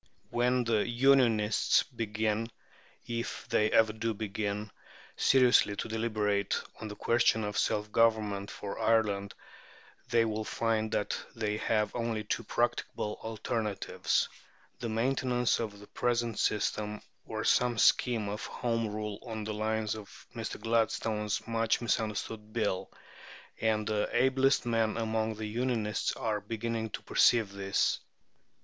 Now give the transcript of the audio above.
When the "Unionists" begin, if they ever do begin, seriously to deliberate on the question of self government for Ireland, they will find that they have only two practicable alternatives the maintenance of the present system, or some scheme of Home Rule on the lines of Mr. Gladstone's much misunderstood Bill. And the ablest men among the "Unionists" are beginning to perceive this.